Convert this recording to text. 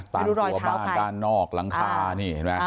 ตามตัวบ้านด้านนอกหลังคานี่เห็นไหม